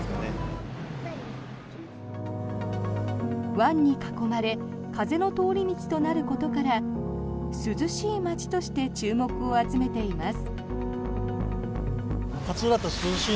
湾に囲まれ風の通り道となることから涼しい街として注目を集めています。